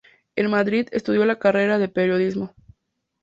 En Madrid estudió la carrera de Periodismo.